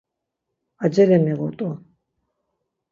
Acele miğut̆u.